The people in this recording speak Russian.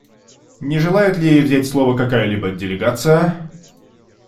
Не желает ли взять слово какая-либо делегация?